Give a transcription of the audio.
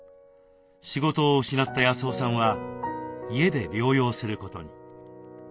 仕事を失った康雄さんは家で療養することに。